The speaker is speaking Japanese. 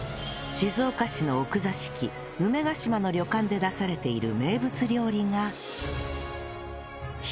静岡市の奥座敷梅ヶ島の旅館で出されている名物料理が